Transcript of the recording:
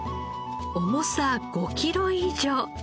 重さ５キロ以上。